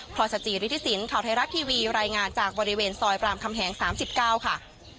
พรสจิริธิสินข่าวไทยรัฐทีวีรายงานจากบริเวณซอยรามคำแหง๓๙ค่ะ